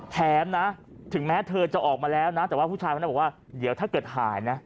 แถมนะถึงแม้เธอจะออกมาแล้วนะแต่ว่าผู้ชายคนนั้นบอกว่าเดี๋ยวถ้าเกิดหายนะ